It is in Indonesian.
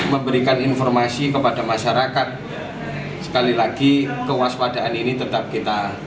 memberikan informasi kepada masyarakat sekali lagi kewaspadaan ini tetap kita